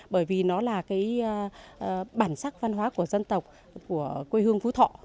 bởi vì nó là cái bản sắc văn hóa của dân tộc của quê hương phú thọ